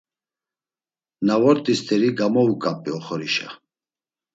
Na vort̆i st̆eri gamovuǩap̌i oxorişa.